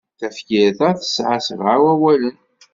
Tafyirt-a tesɛa sebɛa wawalen.